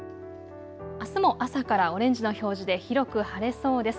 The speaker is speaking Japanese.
あすも朝からオレンジの表示で広く晴れそうです。